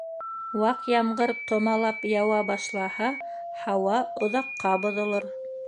Ваҡ ямғыр томалап яуа башлаһа, һауа оҙаҡҡа боҙолор.